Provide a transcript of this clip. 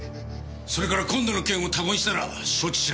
それから今度の件を他言したら承知しないぞ。